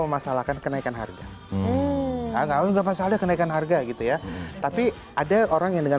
memasalahkan kenaikan harga enggak enggak masalah kenaikan harga gitu ya tapi ada orang yang dengan